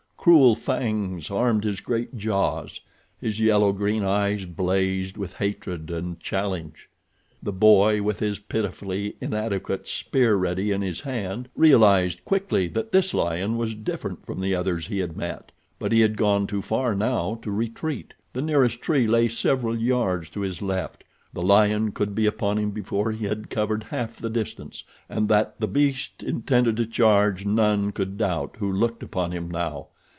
Cruel fangs armed his great jaws. His yellow green eyes blazed with hatred and challenge. The boy, with his pitifully inadequate spear ready in his hand, realized quickly that this lion was different from the others he had met; but he had gone too far now to retreat. The nearest tree lay several yards to his left—the lion could be upon him before he had covered half the distance, and that the beast intended to charge none could doubt who looked upon him now.